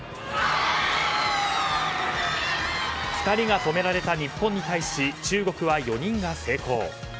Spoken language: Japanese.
２人が止められた日本に対し中国は４人が成功。